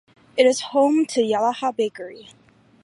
It is home to the Yalaha Bakery.